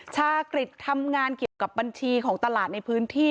ชากฤษทำงานเกี่ยวกับบัญชีของตลาดในพื้นที่